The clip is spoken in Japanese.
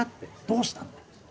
どうしたんだよ。